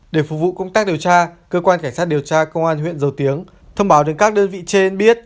để phục vụ công tác điều tra cơ quan cảnh sát điều tra công an huyện dầu tiếng thông báo đến các đơn vị trên biết